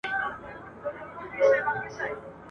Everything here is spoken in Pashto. هغه وویل، چي د ښځي د ټیټوالي